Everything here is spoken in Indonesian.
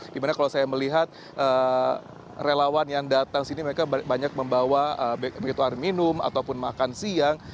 dimana kalau saya melihat relawan yang datang sini mereka banyak membawa begitu air minum ataupun makan siang